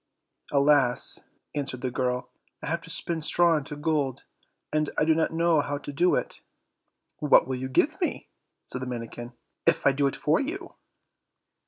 "Alas!" answered the girl, "I have to spin straw into gold, and I do not know how to do it." "What will you give me," said the manikin, "if I do it for you?"